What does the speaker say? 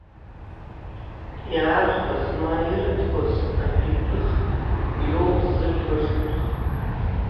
Иаархәаз, ма ирытҟәаз атәитәых иоуп зыжәла зхырхуа!